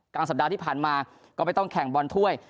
กลางสัปดาห์ที่ผ่านมาก็ไม่ต้องแข่งบอลถ้วย